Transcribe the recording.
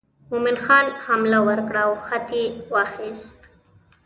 مومن خان حمله ور کړه او خط یې واخیست.